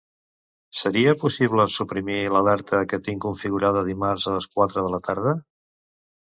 Seria possible suprimir l'alerta que tinc configurada dimarts a les quatre de la tarda?